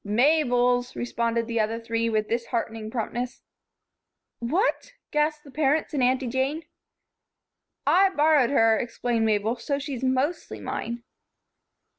"Mabel's," responded the other three, with disheartening promptness. "What!" gasped the parents and Aunty Jane. "I borrowed her," explained Mabel, "so she's mostly mine."